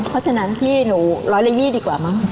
เพราะฉะนั้นพี่หนูร้อยละ๒๐ดีกว่ามั้ง